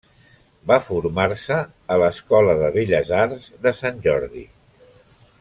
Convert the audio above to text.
Va formar-se a l'Escola de Belles Arts de Sant Jordi.